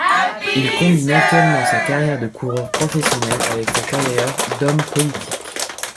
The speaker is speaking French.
Il combine actuellement sa carrière de coureur professionnel avec sa carrière d'homme politique.